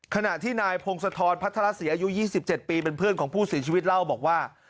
ขณะที่นายพงศธรพัทรศรีอายุ๒๗ปีเป็นเพื่อนของผู้เสียชีวิตเล่าบอกว่า